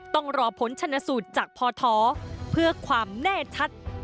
ต้องรอผลชนสูตรจากพทเพื่อความแน่ชัด